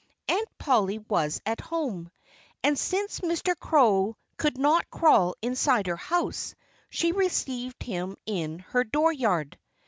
Aunt Polly was at home. And since Mr. Crow could not crawl inside her house, she received him in her dooryard.